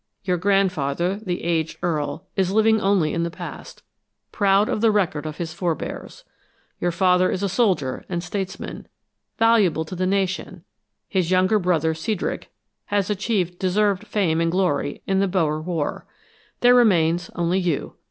Your grandfather, the aged Earl, is living only in the past, proud of the record of his forebears. Your father is a soldier and statesman, valuable to the nation; his younger brother, Cedric, has achieved deserved fame and glory in the Boer War. There remains only you.